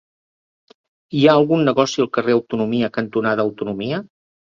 Hi ha algun negoci al carrer Autonomia cantonada Autonomia?